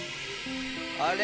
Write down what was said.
あれ？